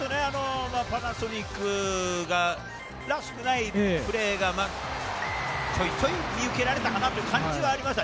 パナソニックが、らしくないプレーがちょいちょい見受けられたかなという感じはありました。